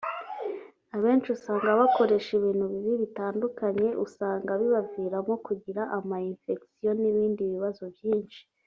abenshi usanga bakoresha ibintu bibi bitandukanye usanga bibaviramo kugira ama infection n’ibindi bibazo byinshi